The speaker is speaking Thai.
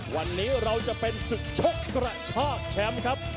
วันนี้เราจะเป็นศึกชกกระชากแชมป์ครับ